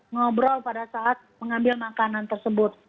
ngobrol pada saat mengambil makanan tersebut